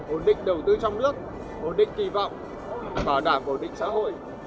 ổn định đầu tư trong nước ổn định kỳ vọng bảo đảm ổn định xã hội